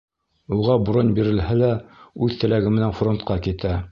Уға бронь бирелһә лә, үҙ теләге менән фронтҡа китә.